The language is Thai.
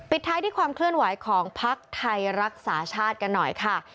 ท้ายที่ความเคลื่อนไหวของภักดิ์ไทยรักษาชาติกันหน่อยค่ะ